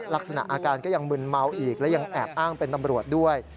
ลักษณะอาการก็ยังมึนเมาอีกและยังแอบอ้างเป็นตำรวจด้วย